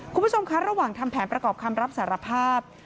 คุณผู้ชมคะระหว่างทำแผนประกอบคำรับสารภาพ